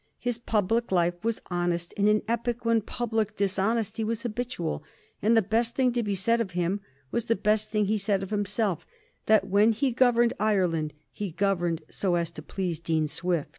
His public life was honest in an epoch when public dishonesty was habitual, and the best thing to be said of him was the best thing he said of himself, that when he governed Ireland he governed so as to please Dean Swift.